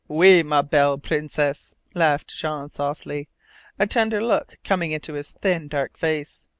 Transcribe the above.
"Oui, ma belle princesse," laughed Jean softly, a tender look coming into his thin, dark face.